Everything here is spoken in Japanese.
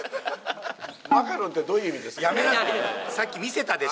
マカロンって、どういう意味やめなさい。